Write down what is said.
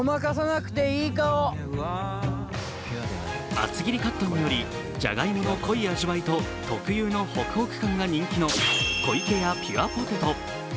厚切りカットによりじゃがいもの濃い味わいと、特有のホクホク感が人気の湖池屋ＰＵＲＥＰＯＴＡＴＯ。